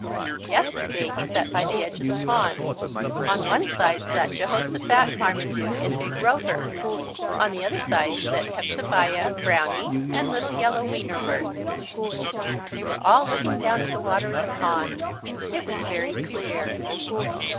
Yesterday he sat by the edge of the pond. On one side sat Jehosophat, Marmaduke, and big Rover. On the other side sat Hepzebiah, Brownie, and little yellow Wienerwurst. They were all looking down at the water of the pond. It was very clear.